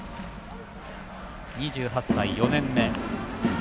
２８歳、４年目。